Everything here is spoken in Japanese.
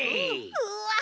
うわ。